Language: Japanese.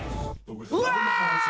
うわ！